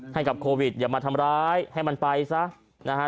ให้กับโควิดอย่ามาทำร้ายให้มันไปซะนะฮะ